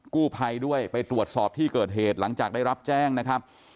กู้ภัยด้วยไปตรวจสอบที่เกิดเหตุหลังจากได้รับแจ้งนะครับ